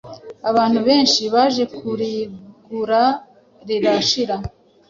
abantu benshi baje kurigura rirashira,